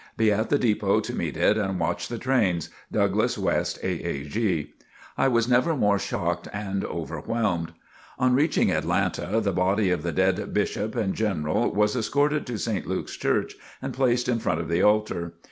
Be at the depot to meet it and watch the trains. Douglass West, A. A. G." I was never more shocked and overwhelmed. On reaching Atlanta the body of the dead Bishop and General was escorted to St. Luke's Church, and placed in front of the altar.